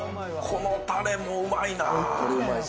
このたれもうまいな。